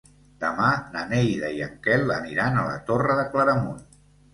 Demà na Neida i en Quel aniran a la Torre de Claramunt.